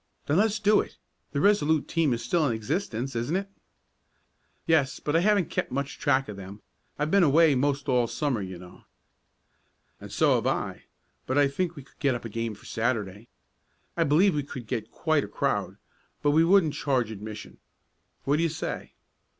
"Then let's do it. The Resolute team is still in existence, isn't it?" "Yes, but I haven't kept much track of them. I've been away most all Summer, you know." "And so have I, but I think we could get up a game for Saturday. I believe we could get quite a crowd, but we wouldn't charge admission. What do you say?"